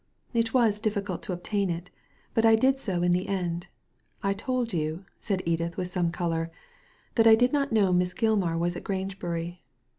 " It was difficult to obtain it, but I did so in the end. I told you," said Edith, with some colour, " that I did not know Miss Gilmar was at Grange bury.